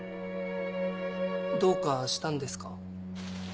どうかしたんですか？